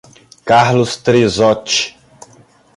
Carlos Trizoti